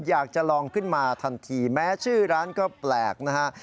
อยากจะลองขึ้นมาทันทีแม้ชื่อร้านก็แปลกนะฮะ